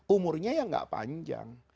umurnya ya gak panjang